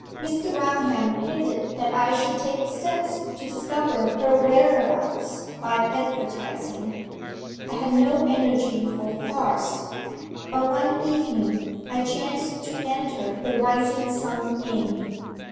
'Mr. Raunham hinted that I should take steps to discover her whereabouts by advertising. I had no energy for the farce. But one evening I chanced to enter the Rising Sun Inn.